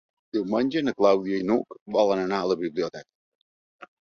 Diumenge na Clàudia i n'Hug volen anar a la biblioteca.